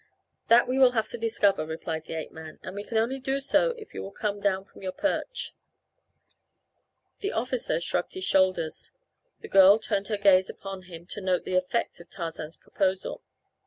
"That we will have to discover," replied the ape man, "and we can only do so if you will come down from your perch." The officer shrugged his shoulders. The girl turned her gaze upon him to note the effect of Tarzan's proposal.